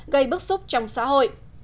gây bức xúc trong xã hội